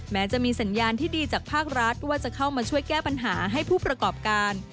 แม้จะมีสัญญาณที่ดีจากภาครัฐว่าจะเข้ามาช่วยแก้ปัญหาให้ผู้ประกอบการ